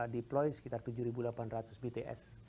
deploy sekitar tujuh delapan ratus bts